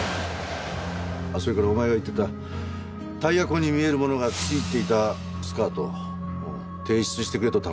あっそれからお前が言ってたタイヤ痕に見えるものがついていたスカート提出してくれと頼んだが拒まれた。